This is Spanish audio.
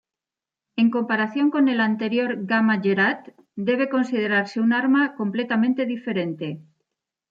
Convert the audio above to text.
En comparación con el anterior Gamma-Gerät, debe considerarse un arma completamente diferente.